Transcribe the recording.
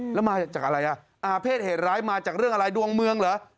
แล้วมาจากอะไรอ่ะเพศเหตุร้ายมาจากเรื่องอะไรดวงเมืองเหรอ